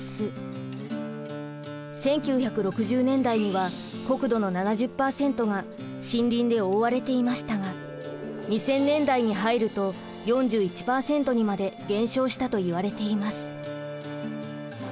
１９６０年代には国土の７０％が森林で覆われていましたが２０００年代に入ると４１％にまで減少したといわれています。